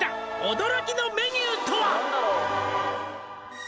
「驚きのメニューとは？」